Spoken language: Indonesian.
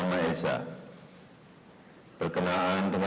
oleh presiden republik indonesia